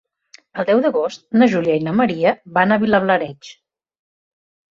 El deu d'agost na Júlia i na Maria van a Vilablareix.